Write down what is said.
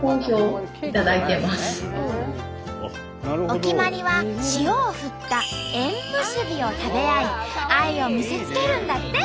お決まりは塩を振った「塩むすび」を食べ合い愛を見せつけるんだって！